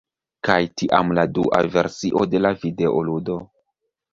kaj tiam la dua versio de la videoludo